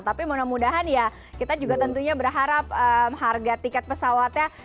tapi mudah mudahan ya kita juga tentunya berharap harga tiket pesawatnya